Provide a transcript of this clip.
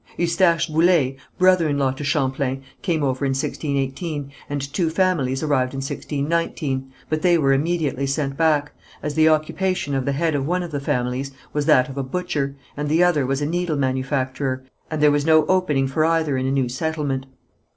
Eustache Boullé, brother in law to Champlain, came over in 1618, and two families arrived in 1619, but they were immediately sent back, as the occupation of the head of one of the families was that of a butcher, and the other was a needle manufacturer, and there was no opening for either in a new settlement.